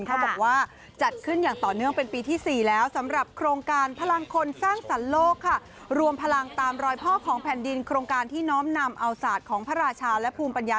เขาบอกว่าจัดขึ้นอย่างต่อเนื่องเป็นปีที่๔แล้ว